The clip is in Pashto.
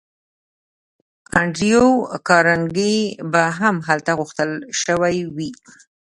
انډریو کارنګي به هم هلته غوښتل شوی وي